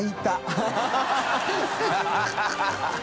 ハハハ